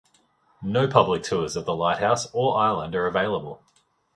No public tours of the lighthouse or island are available.